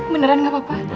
beneran enggak apa apa